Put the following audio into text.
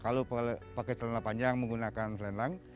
kalau pakai celana panjang menggunakan selelang